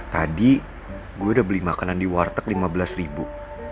tadi gue udah beli makanan di warteg lima belas ribu